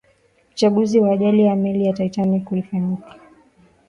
uchunguzi wa ajali ya meli ya titanic ulifanyika